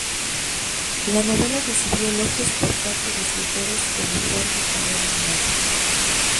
La novela recibió elogios por parte de escritores como Jorge Carrera Andrade.